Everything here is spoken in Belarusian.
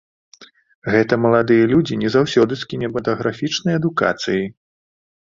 Гэта маладыя людзі не заўсёды з кінематаграфічнай адукацыяй.